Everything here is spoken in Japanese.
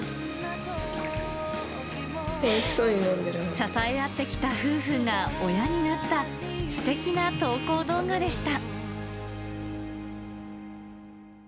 支え合ってきた夫婦が親になったすてきな投稿動画でした。